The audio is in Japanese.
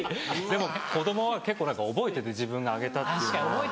でも子供は結構覚えてて自分があげたっていうのを。